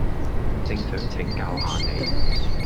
正想請教吓你